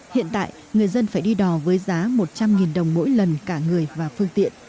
hiện tại người dân phải đi đò với giá một trăm linh đồng mỗi lần cả người và phương tiện